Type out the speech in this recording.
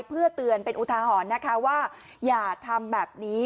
เพื่อเตือนเป็นอุทาหรณ์นะคะว่าอย่าทำแบบนี้